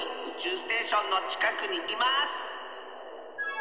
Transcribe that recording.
ステーションのちかくにいます！